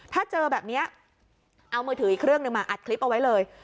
ถ้าเจอแบบนี้เอามือถืออีกเครื่องหนึ่งมาอัดคลิปเอาไว้เลย